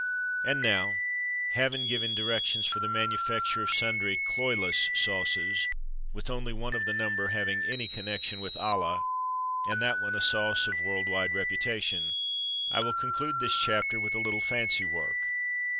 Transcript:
And now, having given directions for the manufacture of sundry "cloyless sauces" with only one of the number having any connection with Ala, and that one a sauce of world wide reputation, I will conclude this chapter with a little fancy work.